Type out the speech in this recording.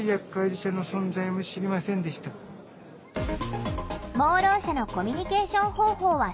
盲ろう者のコミュニケーション方法はさまざま。